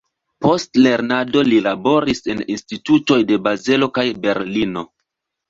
Post lernado li laboris en institutoj de Bazelo kaj Berlino.